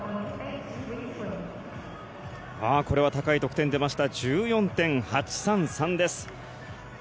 これは高い得点が出ました。１４．８３３です。